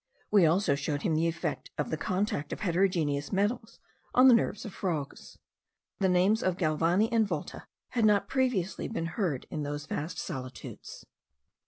We also showed him the effect of the contact of heterogeneous metals on the nerves of frogs. The name of Galvani and Volta had not previously been heard in those vast solitudes.